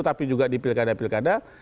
tapi juga di pilkada pilkada